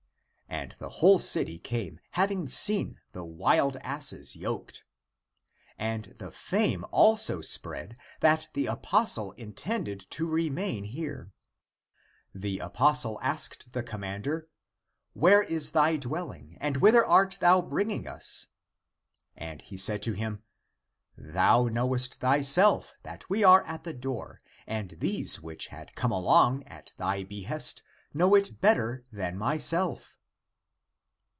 And the whole city came, having seen the wild asses yoked. And the fame also spread that the apostle intended to re main here. The apostle asked the commander, " Where is thy dwelling, and whither art thou bringing us ?" And he said to him, " Thou know est thyself that we are at the door, and these which had come along at thy behest know it better than myself."